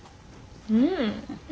うん。